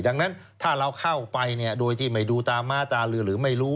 ดังนั้นถ้าเราเข้าไปเนี่ยโดยที่ไม่ดูตาม้าตาลือหรือไม่รู้